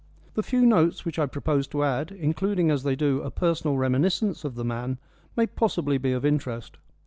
The few notes which I propose to add, including as they do a personal reminiscence of the man, may possibly be of interest.